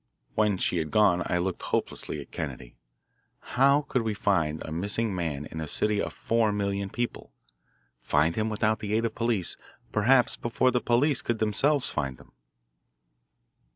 When she had gone, I looked hopelessly at Kennedy. How could we find a missing man in a city of four million people, find him without the aid of the police perhaps before the police could themselves find him?